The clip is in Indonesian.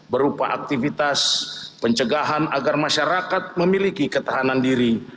berupa aktivitas pencegahan agar masyarakat memiliki ketahanan diri